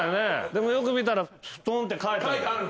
でもよく見たら「フトン」って書いてある。